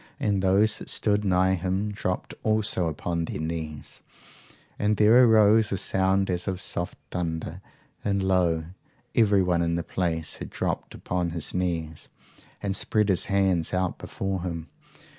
And those that stood nigh him dropped also upon their knees, and there arose a sound as of soft thunder; and lo! everyone in the place had dropped upon his knees, and spread his hands out before him.